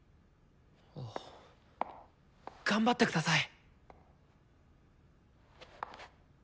あ頑張ってください。